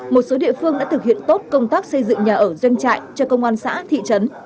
một số địa phương đã thực hiện tốt công tác xây dựng nhà ở doanh trại cho công an xã thị trấn